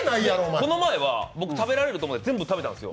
この前は僕、食べられると思って全部食べたんですよ。